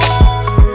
terima kasih ya allah